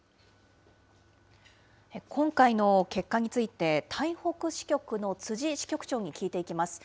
今回の結果について、台北支局の逵支局長に聞いていきます。